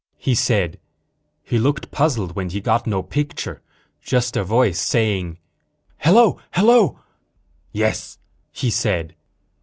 he said. He looked puzzled when he got no picture, just a voice saying, "Hello, hello." "Yes?" he said.